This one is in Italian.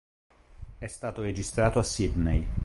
È stato registrato a Sydney.